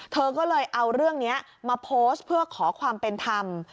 เธอก็เลยเอาเรื่องนี้มาโพสต์เพื่อขอความเป็นธรรม